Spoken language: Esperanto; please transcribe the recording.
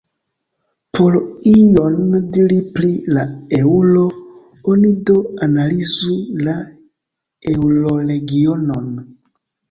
Por ion diri pri la eŭro, oni do analizu la eŭroregionon.